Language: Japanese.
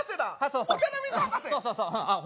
そうそうそうあっ